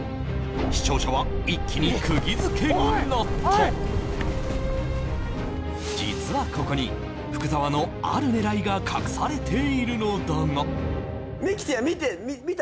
視聴者は一気に釘付けになった実はここに福澤のある狙いが隠されているのだがミキティは見た？